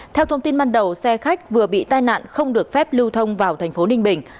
theo thông tin ban đầu xe khách vừa bị tai nạn không được phép lưu thông vào thành phố ninh bình